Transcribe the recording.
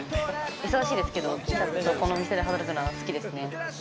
忙しいですけど、この店で働くのは好きですね。